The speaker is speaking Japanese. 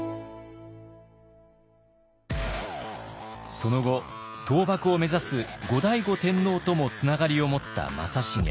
その後倒幕を目指す後醍醐天皇ともつながりを持った正成。